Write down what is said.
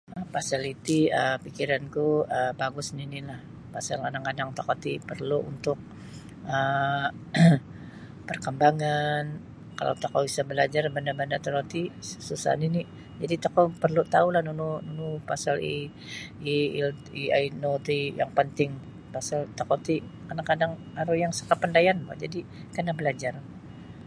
Pasal iti um pikiranku um bagus nini lah pasal kadang-kadang tokou ti perlu untuk um parkambangan kalau tokou isa balajar da banda-banda toroti susah nini jadi tokou perlu tau la nunu-nunu nunu pasa AL AI tih yang panting pasal tokou aru yang isa kapandaian bo jadi kana balajar.